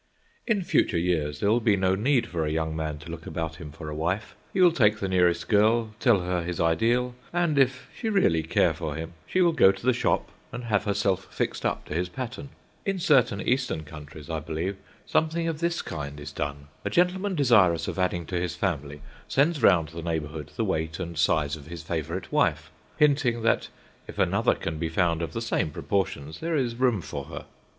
In future years there will be no need for a young man to look about him for a wife; he will take the nearest girl, tell her his ideal, and, if she really care for him, she will go to the shop and have herself fixed up to his pattern. In certain Eastern countries, I believe, something of this kind is done. A gentleman desirous of adding to his family sends round the neighbourhood the weight and size of his favourite wife, hinting that if another can be found of the same proportions, there is room for her.